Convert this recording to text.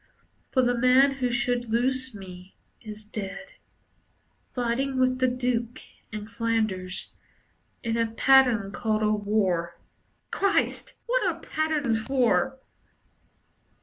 For the man who should loose me is dead, Fighting with the Duke in Flanders, In a pattern called a war. Christ! What are patterns for?